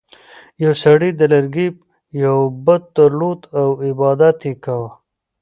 یو سړي د لرګي یو بت درلود او عبادت یې کاوه.